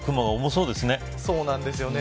そうなんですよね